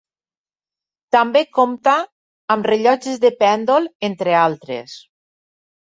També compta amb rellotges de pèndol, entre altres.